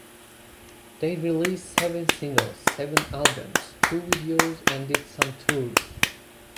They released seven singles, seven albums, two videos and did some tours.